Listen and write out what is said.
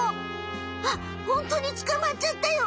あっホントにつかまっちゃったよ。